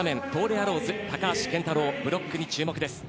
アローズ、高橋健太郎ブロックに注目です。